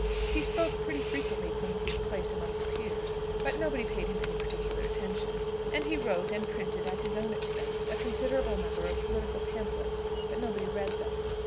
He spoke pretty frequently from his place among the peers, but nobody paid him any particular attention. And he wrote and printed, at his own expense, a considerable number of political pamphlets; but nobody read them.